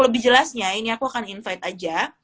lebih jelasnya ini aku akan invite aja